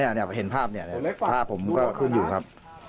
เห็นภาพเนี่ยภาพผมก็ขึ้นอยู่ครับ